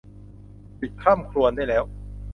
หยุดคร่ำครวญได้แล้ว !